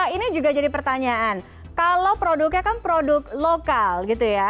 ini juga jadi pertanyaan kalau produknya kan produk lokal gitu ya